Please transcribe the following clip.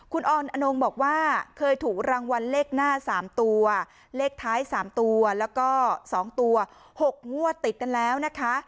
คุณออนอนงบอกว่าเคยถูกรางวัลเลขหน้า๓ตัวเลขท้าย๓ตัวแล้วก็๒ตัว๖งวดติดกันแล้วนะคะ